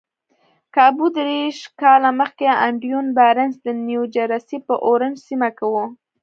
کابو دېرش کاله مخکې ايډوين بارنس د نيوجرسي په اورنج سيمه کې و.